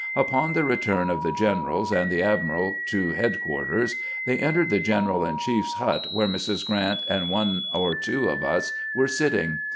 Upon the re turn of the generals and the admiral to headquarters, they entered the general in chief's hut, where Mrs. Q rant and one or two of us were sitting.